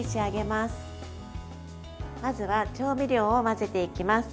まずは調味料を混ぜていきます。